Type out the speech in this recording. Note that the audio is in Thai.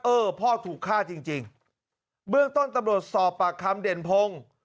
เออพ่อถูกฆ่าจริงจริงเบื้องต้นตำรวจสอบปากคำเด่นพงศ์